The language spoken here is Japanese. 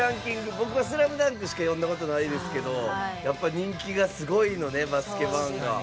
僕、「スラムダンク」しか読んだことないですけどやっぱり人気がすごいのねバスケ漫画。